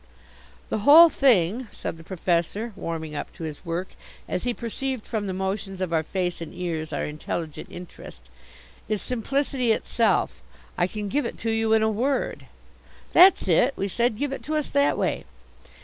"The whole thing," said the Professor, warming up to his work as he perceived from the motions of our face and ears our intelligent interest, "is simplicity itself. I can give it to you in a word " "That's it," we said. "Give it to us that way."